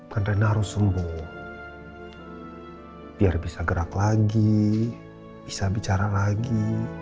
karena harus sembuh biar bisa gerak lagi bisa bicara lagi